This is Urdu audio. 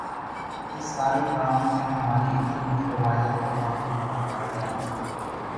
اس سارے کام نے ہماری علمی روایت کو آگے بڑھایا ہے۔